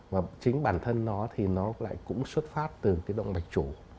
và chính bản thân nó thì nó lại cũng xuất phát từ cái động mạch chủ